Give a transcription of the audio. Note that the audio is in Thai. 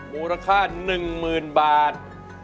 มูลค่า๑หมื่นบาท